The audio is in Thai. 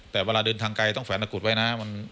แต่เวลาเดินทางไกลต้องแฝนตะกุฎไว้นะ